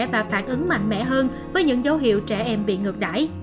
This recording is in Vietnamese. và phản ứng mạnh mẽ hơn với những dấu hiệu trẻ em bị ngược đải